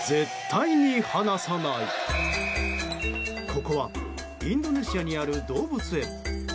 ここはインドネシアにある動物園。